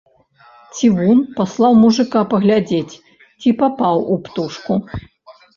Цівун паслаў мужыка паглядзець, ці папаў у птушку.